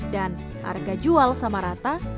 dan harga jual sama rata